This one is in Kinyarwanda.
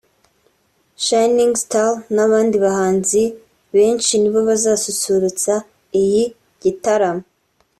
Shinnig Star n’abandi bahanzi benshi nibo bazasusurutsa iyi gitaramo